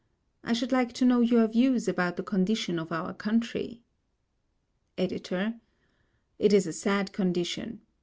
I should like to know your views about the condition of our country. EDITOR: It is a sad condition.